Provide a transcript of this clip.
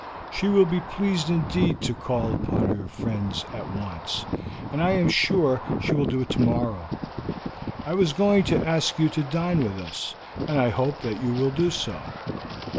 She will be pleased indeed to call upon your friends at once, and I am sure she will do so tomorrow. I was going to ask you to dine with us, and I hope that you will do so.